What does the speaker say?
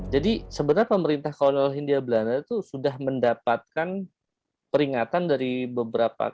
jadi sebenarnya pemerintah kawanan hindia belanda itu sudah mendapatkan peringatan dari beberapa